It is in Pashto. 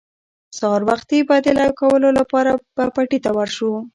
سهار وختي به د لو کولو لپاره به پټي ته ور شو.